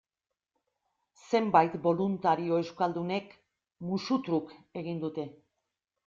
Zenbait boluntario euskaldunek, musu truk, egin dute.